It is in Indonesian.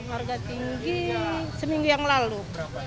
harga tinggi seminggu yang lalu